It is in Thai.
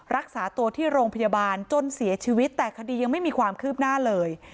รักษาตัวที่โรงพยาบาลจนเสียชีวิตแต่คดียังไม่มีความคืบหน้าเลย